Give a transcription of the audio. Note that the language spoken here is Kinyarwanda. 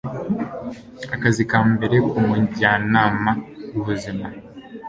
akazi ka mbere k'umujyanama w'ubuzima